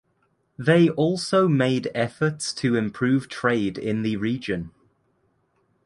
They also made efforts to improve trade in the region.